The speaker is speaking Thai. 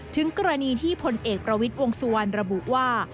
ถึงกรณีที่พลเอกประวิทย์วงสุวรรณระบุว่า